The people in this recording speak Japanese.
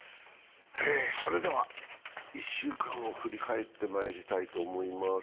１週間を振り返ってまいりたいと思います。